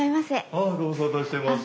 あっご無沙汰してます。